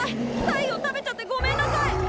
サイを食べちゃってごめんなさい！